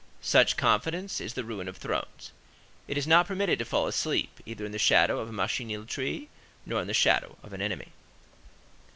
Such confidence is the ruin of thrones. It is not permitted to fall asleep, either in the shadow of a machineel tree, nor in the shadow of an army.